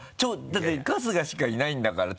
だって春日しかいないんだから。